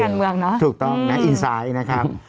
เต้นการเมืองเนอะถูกต้อนนะอินไซด์นะครับ